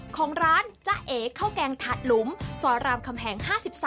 ของร้านจ๊ะเอ๋ข้าวแกงถัดหลุมซอยรามคำแหง๕๓